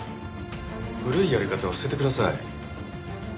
古いやり方は捨ててください。